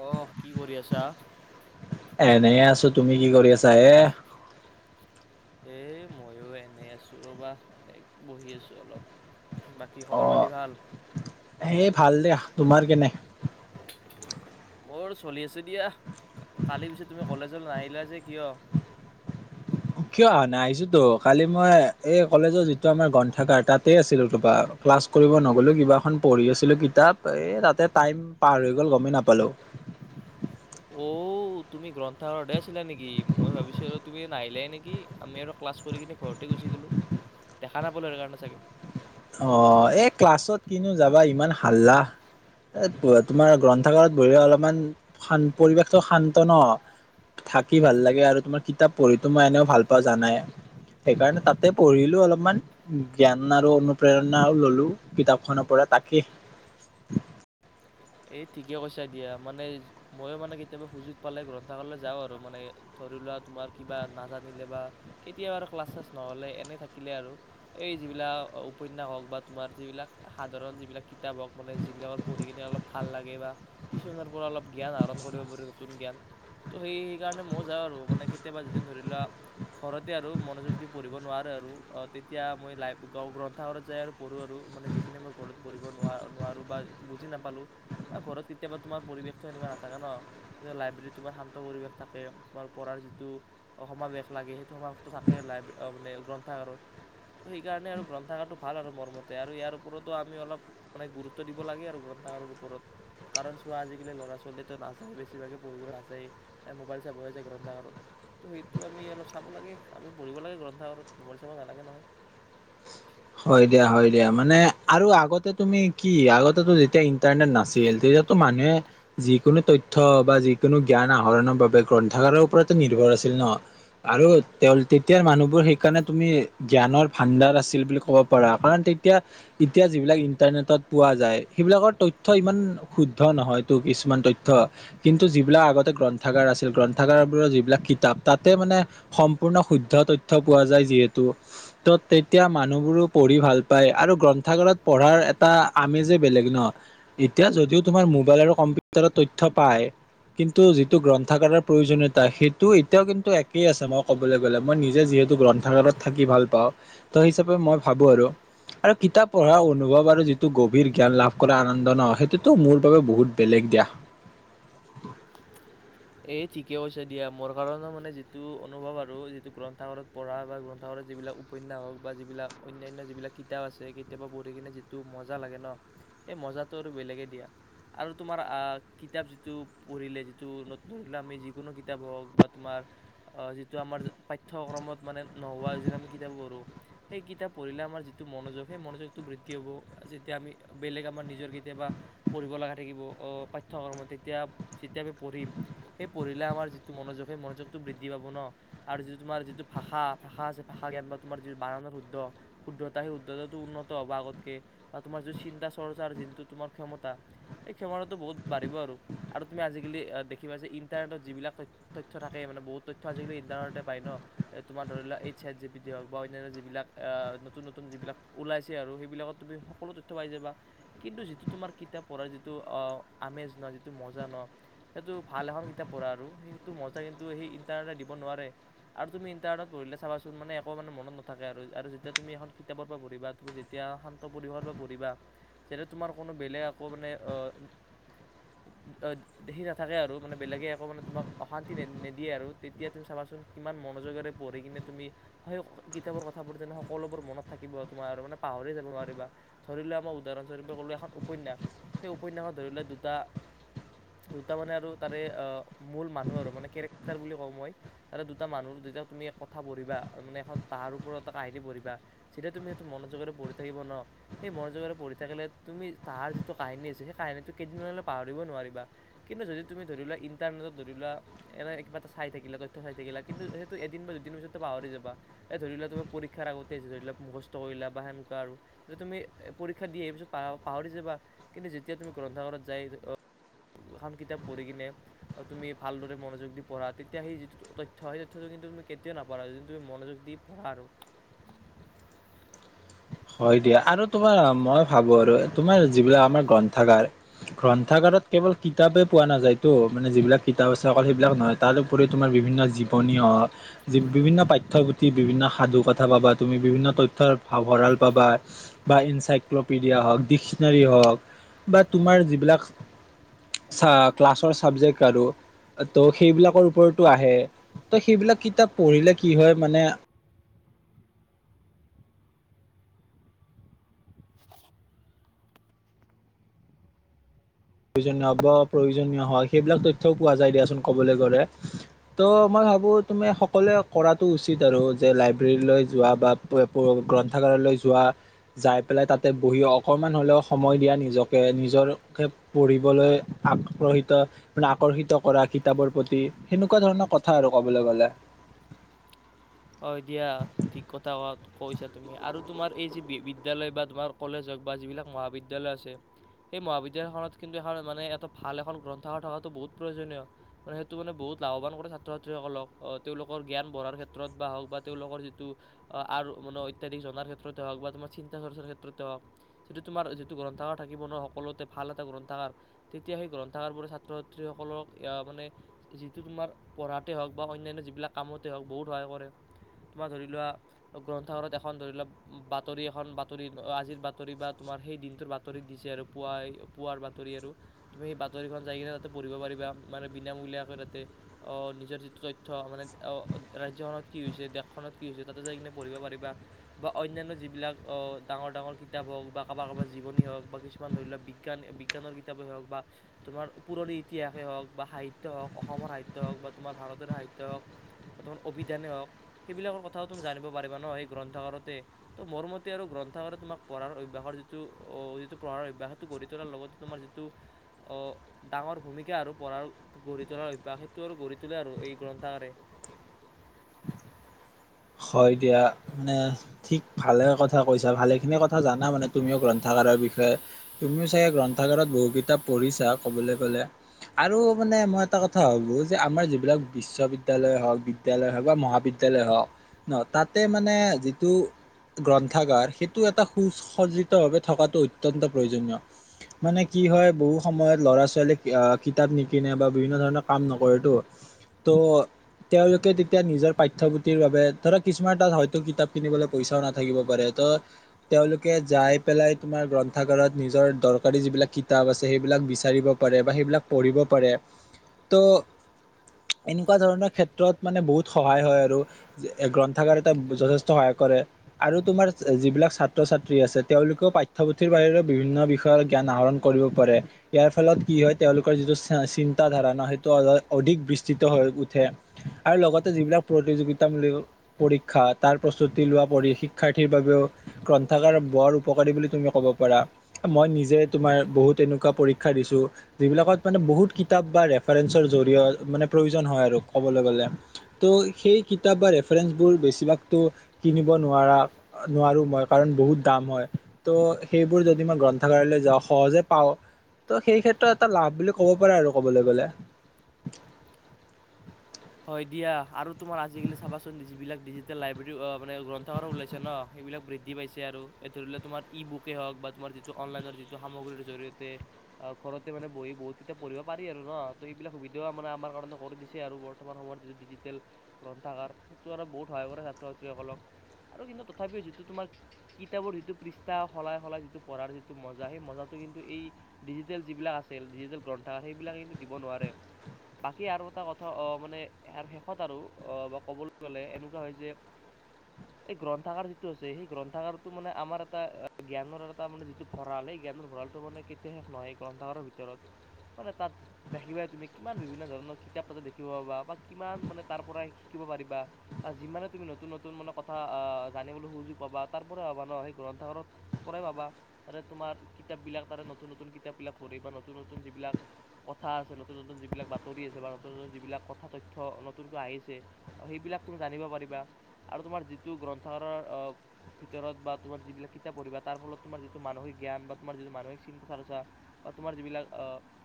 আহ কি কৰি আছা? এনেয়ে আছো তুমি কি কৰি আছা হে? এ মইো এনে আছো ৰবা এনে বহি আছো অলপ বাকী খবৰ পাতি অ' ভাল? সেই ভাল দে তোমাৰ কেনে? মোৰ চলি আছে দিয়া। কালি পিছে তুমি কলেজলৈ নাহিলা যে কিয়? কিয় অহা নাই আহিছোতো, কালি মই এই কলেজৰ যিটো আমাৰ গ্ৰন্থাগাৰ তাতেই আছিলো তপা, ক্লাছ কৰিব নগ'লো কিবা এখন পঢ়ি আছিলো কিতাপ, এই তাতে টাইম পাৰ হৈ গ'ল গমেই নাপালোঁ। অ', তুমি গ্ৰন্থাগাৰতে আছিলা নেকি? মই ভাবিছো আৰু তুমি নাহিলাই নেকি, আমি আৰু ক্লাছ কৰি কিনে ঘৰতে গুচি গ'লো, দেখা নাপালো সেইটো কাৰণে চাগে। অ', এ ক্লাছত কিনো যাবা ইমান হাল্লা, তোমাৰ গ্ৰন্থাগাৰত বঢ়িলে অলপমান সান, পৰিৱেশটো শান্ত ন, থাকি ভাল লাগে আৰু তোমাৰ কিতাপ পঢ়িটো মই এনেওঁ ভাল পাওঁ জানাই, সেইকাৰণে তাতে পঢ়িলো অলপমান। জ্ঞান আৰু প্ৰেৰণাও ল'লোঁ কিতাপখনৰ পৰা তাকেই এই ঠিকেই কৈছো দিয়া, মানে ময়ো মানে কেতিয়াবা সুযোগ পালে গ্ৰন্থাগাৰলৈ যাওঁ আৰু মানে, ধৰি লোৱা তোমাৰ কিবা নাজানিলে বা কেতিয়াবা ক্লাছ চাছ নহ'লে, এনে থাকিলে আৰু, এই যিবিলাক উপন্যাস হওক বা তোমাৰ যিবিলাক, সাধাৰণ যিবিলাক কিতাপ হওক মানে যিবিলাকৰ পঢ়ি কিনে অলপ ভাল লাগে বা কিছুমানৰ পৰা অলপ জ্ঞান আহৰণ কৰিব পাৰি নতুন জ্ঞান। তো সেই সেইকাৰণে মই যাওঁ আৰু মানে কেতিয়াবা যদিন ধৰি লোৱা ঘৰতে আৰু মনোযোগ দি পঢ়িব নোৱোৰো আৰু তেতিয়া মই লাইভ গ, গ্ৰন্থাগৰত যাই আৰু পঢ়োঁ আৰু মানে যিখিনি মই ঘৰত পঢ়িব নোৱাৰ-নোৱাৰোঁ বা বুজি নাপালোঁ বা ঘৰত কেতিয়াবা তোমাৰ পৰিৱেশটো এনেকুৱা নাথাকে ন, কিন্তু লাইব্ৰেৰীত তোমাৰ শান্ত পৰিৱেশ থাকে তোমাৰ পঢ়াৰ যিটো সমাৱেশ লাগে, সেইটো সমাৱেশটো থাকে মানে গ্ৰন্থাগাৰত। সেইকাৰণে আৰু গ্ৰন্থাগাৰটো ভাল আৰু মোৰ মতে আৰু ইয়াৰ ওপৰত আমি অলপ মানে গুৰুত্ব দিব লাগে আৰু গ্ৰন্থাগাৰৰ ওপৰত, কাৰণ চোৱা আজিকালি ল'ৰা ছোৱালীতো নাযায় বেছিভাগে পঢ়িবলৈ নাযায়, মোবাইল চাব যায় গ্ৰন্থাগাৰত, তো সেইটো আমি অলপ চাব লাগে আমি পঢ়িব লাগে গ্ৰন্থাগাৰত, মোবাইল চাব নালাগে নহয়। হয় দিয়া, হয় দিয়া, মানে আৰু আগতে তুমি কি আগতেটো যেতিয়া [unintelligible] নাছিল, তেতিয়াতো মানুহে যিকোনো তথ্য বা যিকোনো জ্ঞান আহৰণৰ বাবে গ্ৰন্থাগাৰৰ ওপৰতে নিৰ্ভৰ আছিল ন'। আৰু তেওঁ তেতিয়াৰ মানুহবোৰ সেইকাৰণে তুমি জ্ঞানৰ ভাণ্ডাৰ আছিল বুলি ক'ব পৰা কাৰণ তেতিয়া, এতিয়া যিবিলাক ইন্টাৰনেটত পোৱা যায় সেইবিলাকৰ তথ্য ইমান শুদ্ধ নহয় তো, কিছুমান তথ্য কিন্তু যিবিলাক আগতে গ্ৰন্থাগাৰ আছিল, গ্ৰন্থাগাৰ বোৰৰ যিবিলাক কিতাপ তাতে মানে সম্পূৰ্ণ শুদ্ধ তথ্য পোৱা যায় যিহেতু, ত' তেতিয়া মা মানুহ বোৰো পঢ়ি ভাল পায় আৰু গ্ৰন্থাগাৰত পঢ়াৰ এটা আমেজে বেলেগ ন'। এতিয়া যদিও তোমাৰ মোবাইল আৰু কম্পিউটাৰত তথ্য পায়, কিন্তু যিটো গ্ৰন্থাগাৰৰ প্ৰয়োজনীয়তা সেইটো এতিয়াও কিন্তু একেই আছে মই ক'বলৈ গলে, মই নিজে যিহেতু গ্ৰন্থাগাৰত থাকি ভাল পাওঁ, ত' হিচাপে মই ভাবো আৰু, আৰু কিতাপ পঢ়া অনুভৱ আৰু যিটো গভীৰ জ্ঞান লাভ কৰা আনন্দ ন', সেইটোতো মোৰ বাবে বহুত বেলেগ দিয়া। এই ঠিকে কৈছে দিয়া, মোৰ কাৰণে মানে যিটো অনুভৱ আৰু যিটো গ্ৰন্থাগাৰত পঢ়া বা গ্ৰন্থাগাৰত যিবিলাক উপন্যাস হওঁক বা যিবিলাক অন্যান্য যিবিলাক কিতাপ আছে, কেতিয়াবা পঢ়ি কিনে যিটো মজা লাগে ন, সেই মজাটো আৰু বেলেগে দিয়া। আৰু তোমাৰ কিতাপ যিটো পঢ়িলে যিটো ধৰি লোৱা আমি যিকোনো কিতাপ হওঁক বা তোমাৰ যিটো আমাৰ পাঠ্যক্ৰমত মানে নোহোৱা যে আমি কিতাপ পঢ়োঁ, সেই কিতাপ পঢ়িলে আমাৰ যিটো মনোযোগ, সেই মনোযোগটো বৃদ্ধি হ'ব। যেতিয়া আমি বেলেগ আমাৰ নিজৰ কেতিয়াবা পঢ়িব লগা থাকিব পাঠ্যক্ৰমত, তেতিয়া যেতিয়া আমি পঢ়িম সেই পঢ়িলে আমাৰ যিটো মনোযোগ সেই মনোযোগটো বৃদ্ধি পাব ন আৰু যিটো তোমাৰ যিটো ভাষা, ভাষা আছে ভাষা জ্ঞান বা তোমাৰ যি বানানৰ শুদ্ধ, শুদ্ধতা সেই শুদ্ধতাটো উন্নত হব আগতকে বা তোমাৰ যিটো চিন্তা চৰ্চাৰ যিটো তোমাৰ ক্ষমতা, সেই ক্ষমতাটো বহুত বাঢ়িব আৰু। আৰু তুমি আজিকালি কিবা যে ইণ্টাৰনেটত যিবিলাক তথ্য থাকে মানে, বহুত তথ্য আজিকালি ইণ্টাৰনেতটে পায় ন', তোমাৰ ধৰি লোৱা এই ছেট জি পি টি হওঁক বা অন্যান্য যিবিলাক, আহ, নতুন নতুন যিবিলাক ওলাইছে আৰু সেইবিলাকত তুমি সকলো তথ্য পাই যাবা। কিন্তু যিটো তোমাৰ কিতাপ পঢ়াৰ যিটো আমেজ ন যিটো মজা ন সেইটো ভাল এখন কিতাপ পঢ়া আৰু সেইটো মজা কিন্তু সেই ইণ্টাৰনেটে দিব নোৱাৰে। আৰু তুমি ইণ্টাৰনেটত পঢ়িলে চাবাচোন মানে, একো মানে মনত নাথাকে আৰু, আৰু যেতিয়া তুমি এখন কিতাপৰ পৰা পঢ়িবা তুমি যেতিয়া শান্ত পৰিৱেশৰ পৰা পঢ়িবা, তেতিয়া তোমাৰ কোনো বেলেগ একো মানে, [unintelligible] নাথাকে আৰু মানে বেলেগে একো মানে তোমাক অশান্তি নিদিয়ে আৰু, তেতিয়া তুমি চাবাচোন কিমান মনোযোগেৰে পঢ়ি কিনে তুমি, সেই কিতাপৰ কথাবোৰ যেনে সকলোবোৰ মনত থাকিব তোমাৰ আৰু মানে পাহৰি যাব নোৱাৰিবা। ধৰি লোৱা আমাৰ উদাহৰণস্বৰূপে কলো, এখন উপন্যাস, সেই উপন্যাসত ধৰি লোৱা দুটা, দুটা মানে আৰু তাৰে মূল মানুহ আৰু মানে কেৰেক্টাৰ বুলি কওঁ মই, তাৰে দুটা মানুহ দুইটা তুমি কথা পঢ়িবা, মানে এখন তাহাৰ ওপৰত এটা কাহিনী পঢ়িবা, যেতিয়া তুমি সেইটো মনোযোগেৰে পঢ়ি থাকিব ন', সেই মনোযোগেৰে পঢ়ি থাকিলে তুমি তাহাৰ যিটো কাহিনী আছে সেই কাহিনীটো কেইদিনমানলৈ পাহৰিব নোৱাৰিবা। কিন্তু যদি তুমি ধৰি লোৱা ইণ্টাৰনেটত ধৰি লোৱা, এনে কিবা এটা চাই থাকিলা, তথ্য চাই থাকিলা কিন্তু সেইটো এদিন বা দুদিন পিছত পাহৰি যাবা। এই ধৰি লোৱা তুমি পৰীক্ষাৰ আগতে ধৰি লোৱা, মুখস্থ কৰিলা বা সেনেকুৱা আৰু তেতিয়া তুমি পৰীক্ষা দিয়ে আহি তুমি পাহৰি যাবা, কিন্তু যেতিয়া তুমি গ্ৰন্থাগত যায়, এখন কিতাপ পঢ়ি কিনে তুমি ভালদৰে মনোযোগ দি পঢ়া, তেতিয়া সেই যিটো তথ্য সেই তথ্যটো কিন্তু তুমি কেতিয়াও নাপহৰা, যদি তুমি মনোযোগ দি পঢ়া আৰু। হয় দিয়া আৰু তোমাৰ মই ভাবো আৰু তোমাৰ যিবিলাক আমাৰ গ্ৰন্থাগাৰ, গ্ৰন্থাগাৰত কেৱল কিতাপেই পোৱা নাযায়তো মানে, যিবিলাক কিতাপ আছে অকল সেইবিলাক নহয় তাৰপৰি তোমাৰ বিভিন্ন জীৱনী, বিভিন্ন পাথ্যপুথি, বিভিন্ন সাধু কথা পাবা তুমি বিভিন্ন তথ্যৰ ভ-ভঁৰাল পাবা বা এনচাইক্লপিডিয়া হওক ডিকচনেৰী হওক বা তোমাৰ যিবিলাক, ক্লাছৰ চাবজেক্ট আৰু, ত' সেইবিলাকৰ ওপৰতো আহে। ত' সেইবিলাক কিতাপ পঢ়িলে কি হয় মানে প্ৰয়োজনীয় হব, প্ৰয়োজনীয় হয়, সেইবিলাক তথ্যও পোৱা যায় দিয়াচোন কবলৈ গ'লে। ত' মই ভাবো তুমি সকলোৱে কৰাটো উচিত আৰু যে লাইব্ৰেৰীলৈ যোৱা বা গ্ৰন্থাগাৰলৈ যোৱা, যাই পেলাই তাতে বহি অকমান হ'লেও সময় দিয়া নিজকে নিজৰে পঢ়িবলৈ আক্ৰহিত মানে আকৰ্ষিত কৰা কিতাপৰ প্ৰতি, সেনেকুৱা ধৰণৰ কথা আৰু ক'বলৈ গলে। হয় দিয়া, ঠিক কথা ক-কৈছা তুমি। আৰু তোমাৰ এই যি বিদ্যালয় বা তোমাৰ কলেজক বা যিবিলাক মহাবিদ্যালয় আছে, সেই মহাবিদ্যালয়খনত কিন্তু এখন মানে এটা ভাল এখন গ্ৰন্থাগাৰ থকাটো বহুত প্ৰয়োজনীয়। মানে সেইটো মানে বহুত লাভৱান কৰে ছাত্ৰ ছাত্ৰীসকলক, তেওঁলোকৰ জ্ঞান বঢ়াৰ ক্ষেত্ৰত ক্ষেত্ৰত বা হওক বা তেওঁলোকৰ যিটো, মানে অত্যাধিক জনাৰ ক্ষেত্ৰতে হওক বা তোমাৰ চিন্তা চৰ্চাৰ ক্ষেত্ৰতে হওক, যিটো তোমাৰ যিটো গ্ৰন্থাগাৰ থাকিব ন সকলোতে ভাল এটা গ্ৰন্থাগাৰ, তেতিয়া সেই গ্ৰন্থাগাৰবোৰে ছাত্ৰ ছাত্ৰীসকলক মানে যিটো তোমাৰ পঢ়াতে হওক বা অন্যান্য যিবিলাক কামতে হওক বহুত সহায় কৰে। তোমাৰ ধৰি লোৱা গ্ৰন্থাগাৰত এখন ধৰি লোৱা, বাতৰি এখন বাতৰি আজিৰ বাতৰি বা তোমাৰ সেই দিনটোৰ বাতৰি দিছে আৰু পুৱাই পুৱাৰ বাতৰি আৰু তুমি সেই বাতৰিখন যাই কিনে তাতে পঢ়িব পাৰিবা। মানে বিনামূলীয়াকৈ তাতে নিজৰ যিটো তথ্য মানে ৰাজ্যখনত কি হৈছে, দেশখনত কি হৈছে, তাতে যাই কিনে পঢ়িব পাৰিবা বা অন্যান্য যিবিলাক ডাঙৰ ডাঙৰ কিতাপ হওক বা কাৰোবাৰ কাৰোবাৰ জীৱনী হওক বা কিছুমান ধৰি লোৱাক বিজ্ঞান-বিজ্ঞানৰ কিতাপেই হওক বা তোমাৰ পুৰণি ইতিহাসেই হওক বা সাহিত্য হওক, অসমৰ সাহিত্যই হওক বা তোমাৰ ভাৰতৰে সাহিত্য হওক তোমাৰ অভিধানেই হওক, সেইবিলাকৰ কথাও তুমি জানিব পাৰিবা ন সেই গ্ৰন্থাগাৰতে, ত' মোৰ মতে আৰু গ্ৰন্থাগাৰে তোমাক পঢ়াৰ অভ্যাসৰ যিটো-যিটো পঢ়াৰ অভ্যাস সেইটো গঢ়ি তোলাৰ লগতে তোমাৰ যিটো, ডাঙৰ ভূমিকা আৰু পঢ়াৰ গঢ়ি তোলাৰ অভ্যাস সেইটো আৰু গঢ়ি তোলে আৰু এই গ্ৰন্থাগাৰে। হয় দিয়া, মানে ঠিক ভালে কথা কৈছা, ভালে খিনি কথা জান [unintelligible] মানে তুমিওঁ গ্ৰন্থাগাৰৰ বিষয়ে। তুমিও চাগে গ্ৰন্থাগাৰত বহু কিতাপ পঢ়িছা কবলৈ গলে আৰু মানে মই এটা কথা ভাবো যে, আমাৰ যিবিলাক বিশ্ববিদ্যালয় হওঁক, বিদ্যালয় হওঁক বা মহাবিদ্যালয় হওঁক ন তাতে মানে, যিটো গ্ৰন্থাগাৰ সেইটো এটা সুসজ্জিতভাৱে থকাটো অত্যন্ত প্ৰয়োজনীয়, মানে কি হয় বহু সময়ত ল'ৰা ছোৱালীয়ে কিতাপ নিকিনে বা বিভিন্ন ধৰণৰ কাম নকৰেটো, ত' তেওঁলোকে তেতিয়া নিজৰ পাঠ্যপুথিৰ বাবে ধৰা কিছুমান তাত হয়তো কিতাপ কিনিবলৈ পইচাও নাথাকিব গ্ৰন্থকাৰে পাৰে। ত' তেওঁলোকে যাই পেলাই তোমাৰ গ্ৰন্থাগাৰত নিজৰ দৰকাৰী যিবিলাক কিতাপ আছে সেইবিলাক বিচাৰিব পাৰে বা সেইবিলাক পঢ়িব পাৰে। ত' এনেকুৱা ধৰণৰ ক্ষেত্ৰত মানে বহুত সহায় হয় আৰু গ্ৰন্থাগাৰত যথেষ্ট সহায় কৰে। আৰু তোমাৰ যিবিলাক ছাত্ৰ ছাত্ৰী আছে তেওঁলোকেও পাঠ্যপুথিৰ বাহিৰেও বিভিন্ন বিষয়ৰ জ্ঞান আহৰণ কৰিব পাৰে, ইয়াৰ ফলত কি হয় তেওঁলোকৰ যিটো চিন্তা ধাৰা ন, সেইটো অধিক বিস্তৃত হৈ উঠে আৰু লগতে যিবিলাক প্ৰতিযোগিতামূল পৰীক্ষা, তাৰ প্ৰস্তুতি লোৱা পৰিশিক্ষাৰ্থীৰ বাবেওঁ গ্ৰন্থাগাৰ বৰ উপকাৰী বুলি তুমি ক'ব পাৰা। মই নিজে তোমাৰ বহুত এনেকুৱা পৰীক্ষা দিছো, যিবিলাকত মানে বহুত কিতাপ বা ৰেফাৰেঞ্চৰ জৰিয়ত, মানে প্ৰয়োজন হয় আৰু কবলৈ গলে ল। ত' সেই কিতাপ বা [unintelligible] বোৰ বেছিভাগতো কিনিব নোৱাৰা, নোৱাৰোঁ মই কাৰণ বহুত দাম হয়। ত' সেইবোৰ যদি মই গ্ৰন্থগাৰলৈ যাওঁ, সহজে পাওঁ, ত' সেই ক্ষেত্ৰত এটা লাভ বুলি ক'ব পৰা আৰু ক'বলৈ গ'লে। হয় দিয়া আৰু তোমাৰ আজি কালি চাবা চোন যিবিলাক ডিজিটেল লাইব্ৰেৰী, অ', মানে গ্ৰন্থাগাৰো ওলাইছে ন, এইবিলাক বৃদ্ধি [unintelligible] পাইছে আৰু, এই ধৰি লও তোমাৰ ই বুকেই হওক বা তোমাৰ যিটো অনলাইনৰ যিটো সামগ্ৰীৰ জৰিয়তে ঘৰতে মানে বহি বহুত কিতাপ পঢ়িব পাৰি আৰু ন তো এইবিলাক সুবিধাও মানে আমাৰ কাৰণে কৰি দিছে আৰু। [unintelligible] বৰ্তমান সময়ত যিটো ডিজিটেল গ্ৰন্থাগাৰ সেইটো আৰু বহুত সহায় কৰে ছাত্ৰ ছাত্ৰীসকলক। আৰু কিন্তু তথাপিও যিটো তোমাৰ কিতাপৰ যিটো পৃষ্ঠা সলাই সলাই যিটো পঢ়াৰ যিটো মজা সেই মজাটো কিন্তু এই ডিজিটেল যিবিলাক আছিল, ডিজিটেল গ্ৰন্থাগাৰ সেইবিলাক কিন্তু দিব নোৱাৰে। বাকী আৰু এটা কথা মানে শেষত আৰু অ', বা ক'বলৈ গলে, এনেকুৱা হয় যে এই গ্ৰন্থাগাৰ যিটো আছে সেই গ্ৰন্থাগাৰটো মানে আমাৰ এটা জ্ঞানৰ এটা মানে যিটো ভঁৰাল, সেই জ্ঞানৰ ভঁৰালটো মানে কেতিয়াও শেষ নহয়। গ্ৰন্থাগাৰৰ ভিতৰত মানে তাত দেখিবা তুমি কিমান বিভিন্ন ধৰণৰ কিতাপ তাতে দেখা [unintelligible] পাবা বা কিমান মানে তাৰ পৰাই শিকিব পাৰিবা বা যিমানে তুমি নতুন নতুন মানে কথা জানিবলৈ সুযোগ পাবা, তাৰ পৰাই পাবা ন সেই গ্ৰন্থাগাৰ পৰাই পাবা, তাৰে তোমাৰ কিতাপবিলাক তাৰে নতুন নতুন কিতাপবিলাক পঢ়ি বা নতুন নতুন যিবিলাক কথা আছে নতুন নতুন যিলাক বাতৰি আছে [unintelligible] যিলাক কথা তথ্য নতুনকৈ আহিছে, সেইবিলাক তুমি জানিব পাৰিবা আৰু তোমাৰ যিটো গ্ৰন্থাগাৰ ভিতৰত বা তোমাৰ যিবিলাক কিতাপ পঢ়িবা তাৰ ফলত তোমাৰ যিটো মানসিক জ্ঞান বা তোমাৰ যি মানসিক চিন্তা চৰ্চা বা তোমাৰ যিবিলাক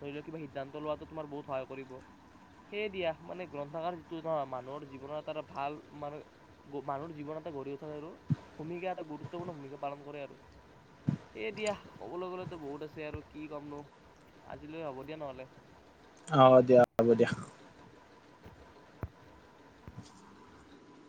ধৰি লওক কিবা সিদ্ধান্ত লোৱাটো তোমাৰ বহুত সহায় কৰিব। সেয়ে দিয়া, মানে গ্ৰন্থাগাৰ যিটো ন মানুহৰ জীৱনৰ এটা ভাল, মানে মানুহৰ জীৱন এটা গঢ়ি উঠাৰ আৰু ভূমিকা এটা গুৰুত্বপূৰ্ণ ভূমিকা পালন কৰে আৰু। সেয়ে দিয়া কবলৈ গ'লেতো বহুত আছে আৰু কি কমনো, আজিলৈ হ'ব দিয়া নহ'লে। অ', দিয়া, হ'ব দিয়া। [inaudible]